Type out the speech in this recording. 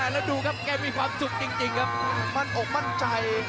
แล้วดูนะครับมีความสุขจริงมันอบมั่นใจ